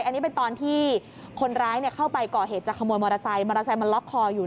อันนี้เป็นตอนที่คนร้ายเข้าไปก่อเหตุจะขโมยมอเตอร์ไซค์มอเตอร์ไซค์มันล็อกคออยู่